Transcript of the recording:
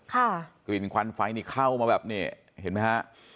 กลิ่นควันไฟนี่เข้ามาแบบนี้เห็นไหมฮะ